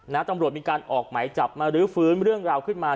ตำรวจมีการออกไหมจับมารื้อฟื้นเรื่องราวขึ้นมา